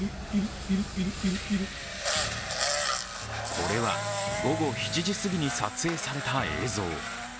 これは午後７時すぎに撮影された映像。